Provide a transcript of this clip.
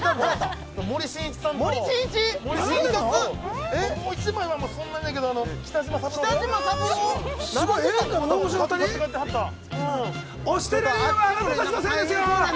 森進一さんともう１枚はそんなやねんけど北島三郎さん。